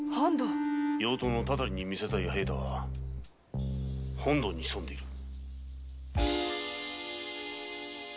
妖刀のタタリに見せたい弥平太は本堂に潜んでいる！